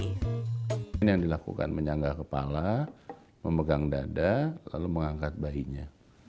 ini yang dilakukan menyanggah kepala memegang dada lalu mengangkat bayinya